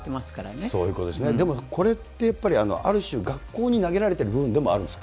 でもこれってやっぱり、ある種、学校に投げられてる部分でもあるんです。